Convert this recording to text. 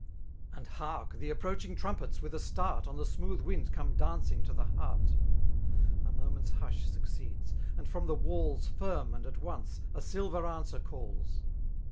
And hark ! the approaching trumpets^ with a start. On the smooth wind come dancing to the heart. A moment's hush succeeds; and from the watls^ Firm and at once, a silver a&swer caUs.